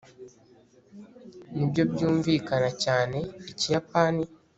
nibyo byumvikana cyane ikiyapani